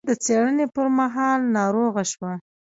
هغې د څېړنې پر مهال ناروغه شوه.